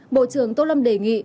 bộ trưởng tô lâm đề nghị